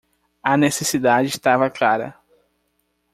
A necessidade estava clara